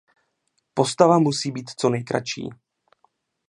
Postava musí být co nejkratší.